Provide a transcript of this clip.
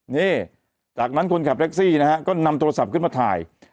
นี่จากนั้นคนขับแท็กซี่นะฮะก็นำโทรศัพท์ขึ้นมาถ่าย